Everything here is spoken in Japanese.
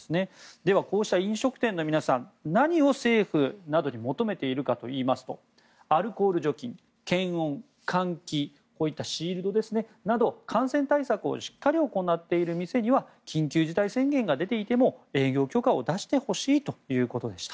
では、こうした飲食店の皆さん何を政府などに求めているかといいますとアルコール除菌、検温、換気こういったシールドなど感染対策をしっかり行っている店には緊急事態宣言が出ていても営業許可を出してほしいということでした。